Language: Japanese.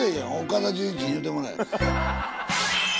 岡田准一に言うてもらえ。